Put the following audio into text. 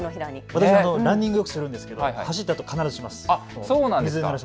私はランニングをよくするんですけれども走ったあとと必ずします。